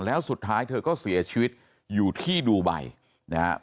แล้วสุดท้ายเธอก็เสียชีวิตอยู่ที่ดูไบนะครับ